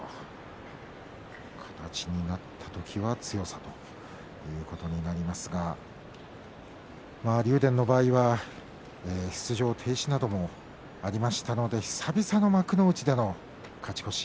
形になった時は強さということになりますが竜電の場合は出場停止などもありましたので久々の幕内での勝ち越し。